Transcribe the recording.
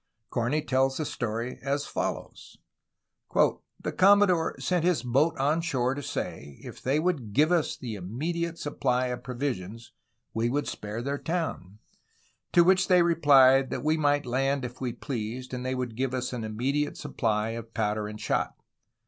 Corney tells the story as follows: "The Commodore sent his boat on shore to say, if they would give us an immediate supply of provisions, we would spare their town; to which they replied that we might land if we pleased and they would give us an immediate supply of powder and shot.